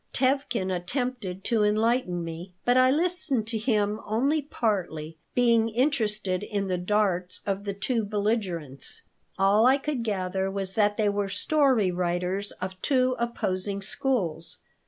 Tevkin attempted to enlighten me, but I listened to him only partly, being interested in the darts of the two belligerents. All I could gather was that they were story writers of two opposing schools.